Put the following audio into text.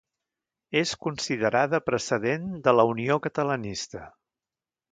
És considerada precedent de la Unió Catalanista.